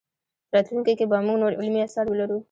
په راتلونکي کې به موږ نور علمي اثار ولرو.